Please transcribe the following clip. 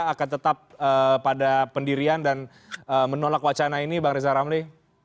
akan tetap pada pendirian dan menolak wacana ini bang reza ramli